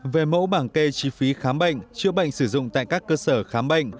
về mẫu bảng kê chi phí khám bệnh chữa bệnh sử dụng tại các cơ sở khám bệnh